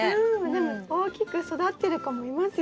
でも大きく育ってる子もいますよ。